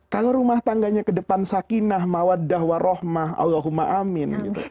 kalau rumah tangganya ke depan sakinah mawadah warohmah allahumma amin